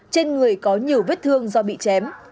trên người có nhiều vết thương do bị chém